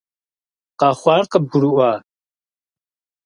Къэхъуар къыбгурыӀуа?